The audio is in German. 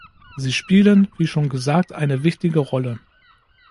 Sie spielen, wie schon gesagt, eine wichtige Rolle.